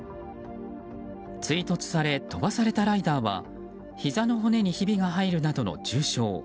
追突され、飛ばされたライダーはひざの骨にひびが入るなどの重傷。